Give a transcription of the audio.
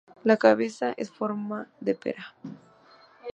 La cabeza es en forma de pera.